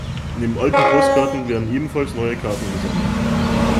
Neben alten Postkarten werden ebenfalls neue Karten gesammelt.